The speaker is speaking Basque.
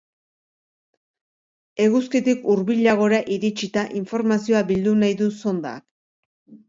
Eguzkitik hurbilagora iritsita informazioa bildu nahi du sondak.